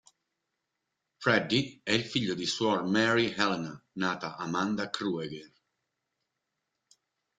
Freddy è il figlio di Suor Mary Helena, nata Amanda Krueger.